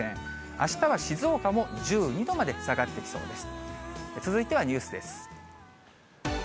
あしたは静岡も１２度まで下がってきそうです。